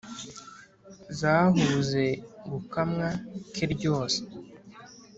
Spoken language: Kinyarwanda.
zahuze gukamwa ke ryose